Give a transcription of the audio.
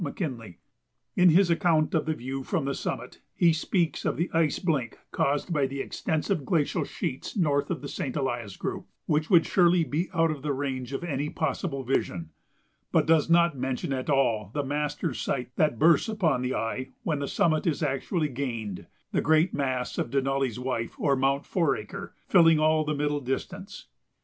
McKinley." In his account of the view from the summit he speaks of "the ice blink caused by the extensive glacial sheets north of the Saint Elias group," which would surely be out of the range of any possible vision, but does not mention at all the master sight that bursts upon the eye when the summit is actually gained the great mass of "Denali's Wife," or Mount Foraker, filling all the middle distance.